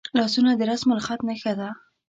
لاسونه د رسمالخط نښه ده